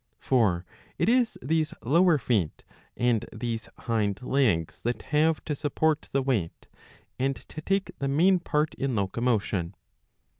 For it is these lower feet and these ^ hind legs that have to support the weight, and to take the main part in locomotion.